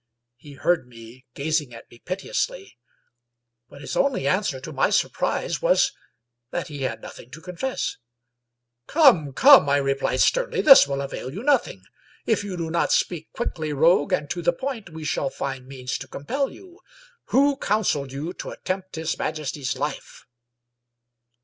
He heard me, gazing at me piteously ; but his only answer, to my surprise, was that he had nothing to confess. " Come, come," I . replied sternly, " this will avail you I5« Stanley J. Weyman nothing; if you do not speak quickly, rogue, and to the point, we shall find means to compel you. Who counseled you to attempt his majesty's life?